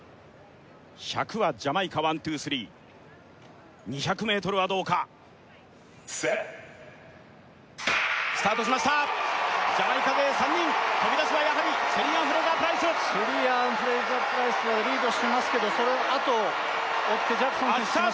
１００はジャマイカワンツースリー２００ｍはどうかＳｅｔスタートしましたジャマイカ勢３人飛び出したのはやはりシェリーアン・フレイザープライスシェリーアン・フレイザープライスはリードしてますけどそのあとを追ってジャクソン選手きました